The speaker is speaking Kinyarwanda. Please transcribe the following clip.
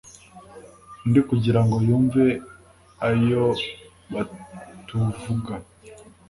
undi kugira ngo yumve ayo batuvuga».